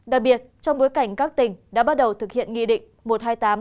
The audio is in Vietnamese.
đặc biệt trong bối cảnh các tỉnh đã bắt đầu thực hiện nghị định một trăm hai mươi tám